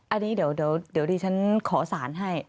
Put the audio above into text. อันนี้เดี๋ยวดิฉันขอสารให้